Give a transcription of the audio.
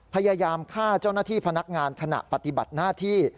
พยายามฆ่าเจ้าหน้าที่พนักงานขณะปฏิบัติหน้าที่